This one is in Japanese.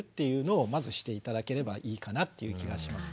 まずして頂ければいいかなっていう気がします。